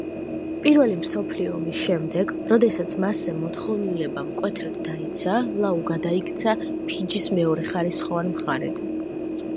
პირველი მსოფლიო ომის შემდეგ, როდესაც მასზე მოთხოვნილება მკვეთრად დაეცა, ლაუ გადაიქცა ფიჯის მეორეხარისხოვან მხარედ.